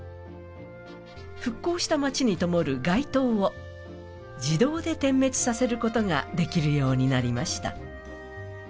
復興した街にともる街灯を自動で点滅させることができるようになりました。